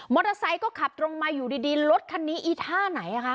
เตอร์ไซค์ก็ขับตรงมาอยู่ดีรถคันนี้อีท่าไหนอ่ะคะ